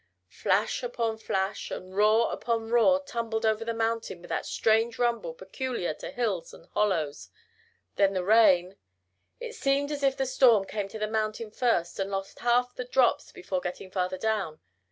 Flash upon flash, and roar upon roar tumbled over the mountain with that strange rumble peculiar to hills and hollows. Then the rain It seemed as if the storm came to the mountain first and lost half the drops before getting farther down.